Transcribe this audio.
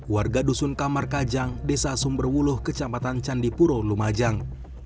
warga dusun kamar kajang desa sumberwuluh kecamatan candipuro lumajang